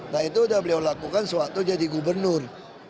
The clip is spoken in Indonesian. nah itu sudah beliau lakukan sewaktu jadi gubernur